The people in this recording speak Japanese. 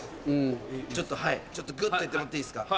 ちょっとはいグッとやってもらっていいですか？